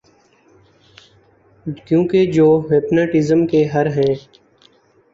کیونکہ جو ہپناٹزم کے ہر ہیں